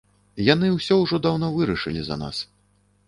Яны ўсё ўжо даўно вырашылі за нас.